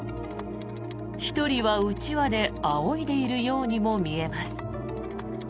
１人はうちわであおいでいるようにも見えます。